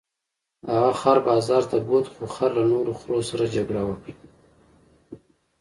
هغه خر بازار ته بوت خو خر له نورو خرو سره جګړه وکړه.